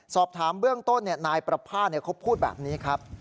สอบถามเบื้องต้นนายประภาษณเขาพูดแบบนี้ครับ